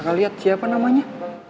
kau lihat siapa namanya